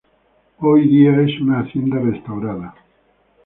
Hoy día es una hacienda restaurada.